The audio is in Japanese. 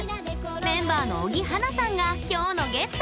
メンバーの尾木波菜さんが今日のゲスト！